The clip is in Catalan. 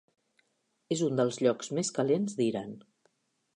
És un dels llocs més calents d'Iran.